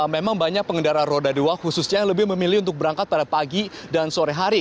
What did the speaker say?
memang banyak pengendara roda dua khususnya yang lebih memilih untuk berangkat pada pagi dan sore hari